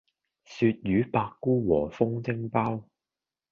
鱈魚百菇和風蒸包